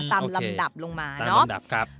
ตามลำดับลงมาเนอะตามลำดับครับ